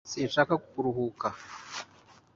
sinshaka kuruhuka